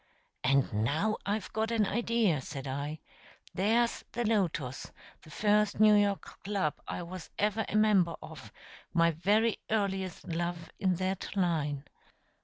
"And now I've got an idea!" said I. "There's the Lotos the first New York club I was ever a member of my very earliest love in that line.